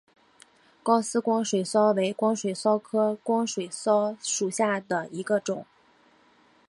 高斯光水蚤为光水蚤科光水蚤属下的一个种。